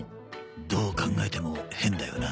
どう考えても変だよな？